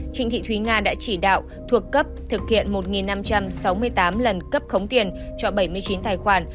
trịnh thị thúy nga đã chỉ đạo thuộc cấp thực hiện một năm trăm sáu mươi tám lần cấp khống tiền cho bảy mươi chín tài khoản